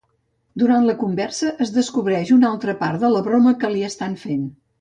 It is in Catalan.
Durant la conversa es descobreix un altre part de la broma que li estan fent.